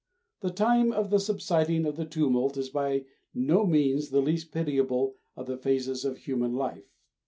The time of the subsiding of the tumult is by no means the least pitiable of the phases of human life.